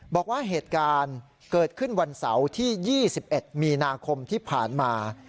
บอกว่าเหตุการณ์เกิดขึ้นวันเสาร์ที่๒๑มีนาคมที่ผ่านมา